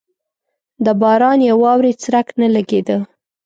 د باران یا واورې څرک نه لګېده.